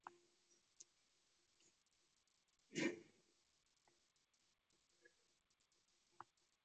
Ighuo w'echa w'ose.